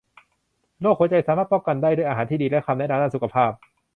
โรคหัวใจสามารถป้องกันได้ด้วยอาหารที่ดีและคำแนะนำด้านสุขภาพ